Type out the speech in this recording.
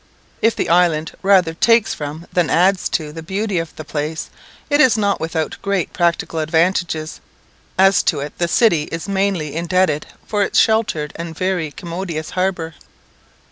If the island rather takes from, than adds to, the beauty of the place, it is not without great practical advantages, as to it the city is mainly indebted for its sheltered and very commodious harbour.